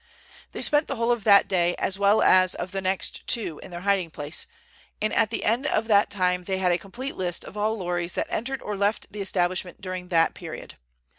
They spent the whole of that day, as well as of the next two, in their hiding place, and at the end of that time they had a complete list of all lorries that entered or left the establishment during that period.